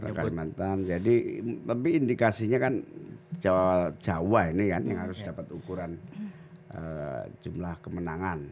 kalau kalimantan jadi tapi indikasinya kan jawa ini kan yang harus dapat ukuran jumlah kemenangan